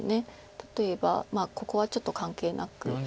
例えばここはちょっと関係なく。